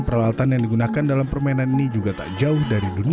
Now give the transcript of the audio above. tak heran peralatan yang digunakan dalam permainan ini juga tak jauh dari dunia agraris